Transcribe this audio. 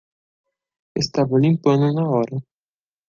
Estava limpando na hora